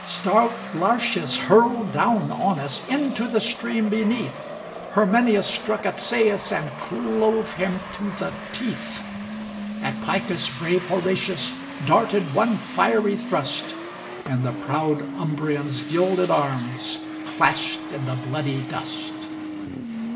Stout Lartius hurled down Aunus Into the stream beneath: Herminius struck at Seius, And clove him to the teeth: At Picus brave Horatius Darted one fiery thrust, And the proud Umbrian's gilded arms Clashed in the bloody dust.